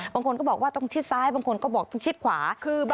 บางคนก็บอกว่าต้องชิดซ้ายบางคนก็บอกต้องชิดขวา